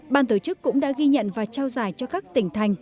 ban tổ chức cũng đã ghi nhận và trao giải cho các tỉnh thành